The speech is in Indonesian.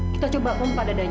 kita coba memupah dadanya